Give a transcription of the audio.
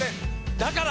だから！